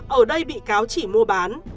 ở đây bị cáo chỉ mua bán